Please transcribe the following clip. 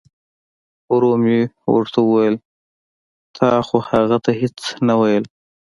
ورو مې ورته وویل تا خو هغه ته هیڅ نه ویل.